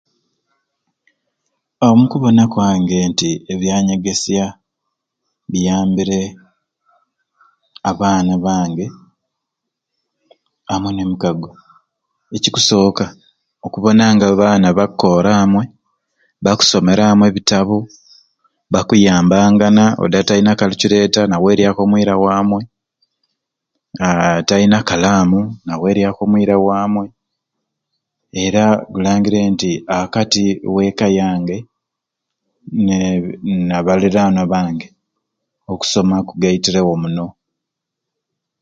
Aaa omukubona kwange nti ebyanyegesya biyambire abaana bange amwei nemikago, ekikusoka okubona nga abaana bakoora amwei, bakusomera amwei ebitabo, bakuyambangana odi atalina kalicureeta naweryaku omwira wamwei aaah atalina kalamu naweryaku omwiira wamwei era bulangire nti akati owe'kka yange nabalirwana bange okusoma kugaitiirewo muno.